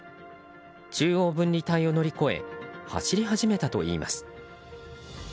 中央分離帯を乗り越え走り始めたといいます。